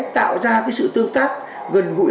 tạo ra cái sự tương tác gần gũi